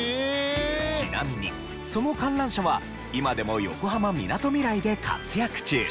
ちなみにその観覧車は今でも横浜みなとみらいで活躍中。